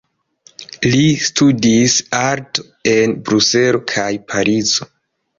Li studis arto en Bruselo kaj Parizo.